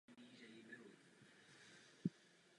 Škoda Favorit nebyla obchodně příliš úspěšná.